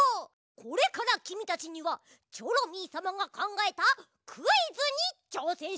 これからきみたちにはチョロミーさまがかんがえたクイズにちょうせんしてもらうぞ！